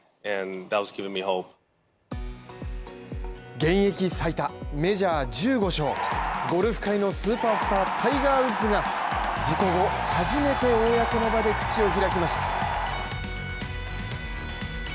現役最多メジャー１５勝、ゴルフ界のスーパースター、タイガー・ウッズが事故後、初めて公の場で口を開きました。